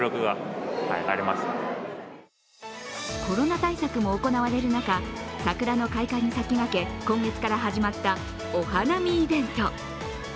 コロナ対策も行われる中桜の開花に先駆け今月から始まったお花見イベント。